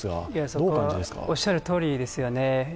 それはおっしゃるとおりですよね。